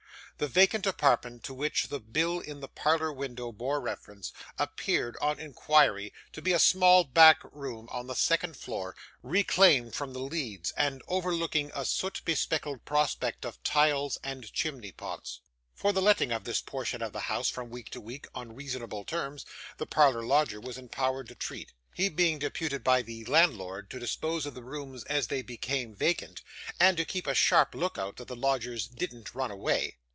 The vacant apartment to which the bill in the parlour window bore reference, appeared, on inquiry, to be a small back room on the second floor, reclaimed from the leads, and overlooking a soot bespeckled prospect of tiles and chimney pots. For the letting of this portion of the house from week to week, on reasonable terms, the parlour lodger was empowered to treat; he being deputed by the landlord to dispose of the rooms as they became vacant, and to keep a sharp look out that the lodgers didn't run away.